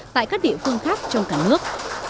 tại các địa phương khác trong cả nước